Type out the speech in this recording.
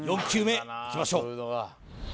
４球目いきましょう